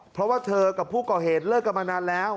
เพราะว่าเธอกับผู้ก่อเหตุเลิกกันมานานแล้ว